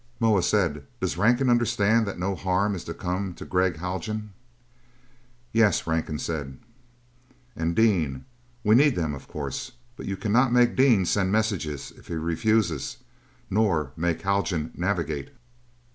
Moa said, "Does Rankin understand that no harm is to come to Gregg Haljan?" "Yes," Rankin said. "And Dean. We need them, of course. But you cannot make Dean send messages if he refuses, nor make Haljan navigate."